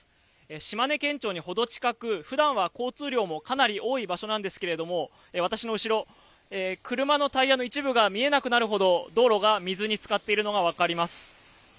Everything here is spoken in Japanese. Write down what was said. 島根県庁に程近くふだんは交通量もかなり多い場所なんですけれども私の後ろ、車のタイヤの一部が見えなくなるほど道路が水につかっているのが分かります。